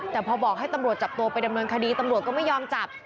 แต่พอบอกให้ตำรวจจับตัวไปดำเนินคดีตำรวจก็ไม่ยอมจับ